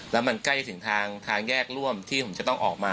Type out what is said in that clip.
แล้วมันใกล้ถึงทางแยกร่วมที่ผมจะต้องออกมา